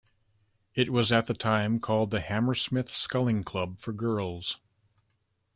It was at the time called the Hammersmith Sculling Club for Girls.